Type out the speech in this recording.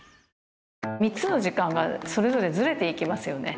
３つの時間がそれぞれずれていきますよね。